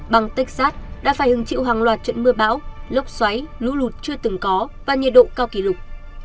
bang texas đã phải hứng chịu hàng loạt trận mưa bão lốc xoáy lũ lụt chưa từng có và nhiệt độ cao kỷ lục